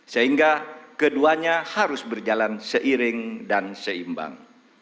sehingga keduanya harus berjalan seiring dan seimbang